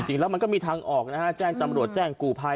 จริงแล้วมันก็มีทางออกนะฮะแจ้งตำรวจแจ้งกู่ภัย